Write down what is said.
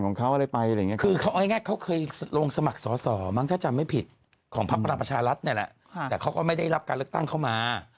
ก็เขาก็ยืนดันอย่างที่หมดดำบอกว่าเขาทำ